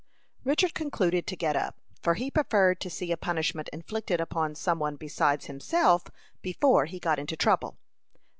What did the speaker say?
Richard concluded to get up, for he preferred to see a punishment inflicted upon some one besides himself before he got into trouble.